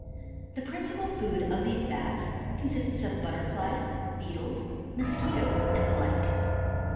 The principal food of these Bats consists of Butterflies, Beetles, Mosquitoes, and the like.